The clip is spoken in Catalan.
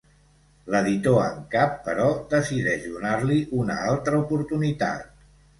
L’editor en cap però decideix donar-li una altra oportunitat.